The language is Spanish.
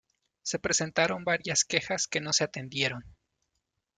Se presentaron varias quejas que no se atendieron.